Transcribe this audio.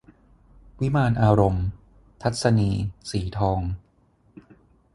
วิมานอารมณ์ - ทัศนีย์ สีทอง